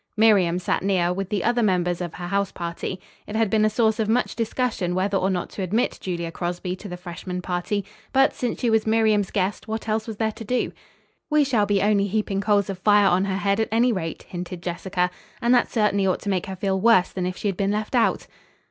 Miriam sat near, with the other members of her house party. It had been a source of much discussion whether or not to admit Julia Crosby to the freshman party. But, since she was Miriam's guest, what else was there to do? "We shall be only heaping coals of fire on her head at any rate," hinted Jessica, "and that certainly ought to make her feel worse than if she had been left out."